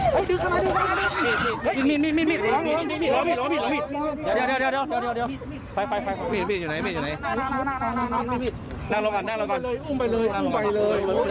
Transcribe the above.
พูดไปเลยพูดไปพูดไปพูดไปพูดไปพูดไปเออ